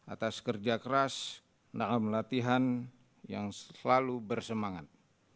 atas kerja keras dalam latihan yang selalu bersemangat